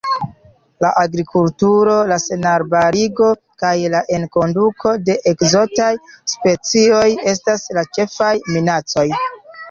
La agrikulturo, la senarbarigo kaj la enkonduko de ekzotaj specioj estas la ĉefaj minacoj.